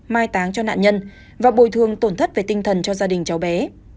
mai táng cho nạn nhân và bồi thương tổn thất về tinh thần cho gia đình cháu bé